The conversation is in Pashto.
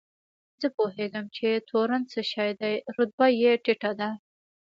زه پوهېږم چې تورن څه شی دی، رتبه یې ټیټه ده.